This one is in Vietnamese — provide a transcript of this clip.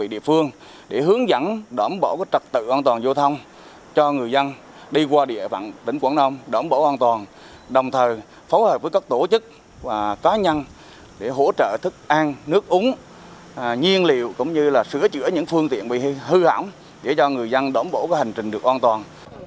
địa phương để hướng dẫn đảm bảo trật tự an toàn giao thông cho người dân đi qua địa phận tỉnh quảng đông đảm bảo an toàn đồng thời phối hợp với các tổ chức cá nhân để hỗ trợ thức ăn nước uống nhiên liệu cũng như sửa chữa những phương tiện bị hư hỏng để cho người dân đảm bảo hành trình được an toàn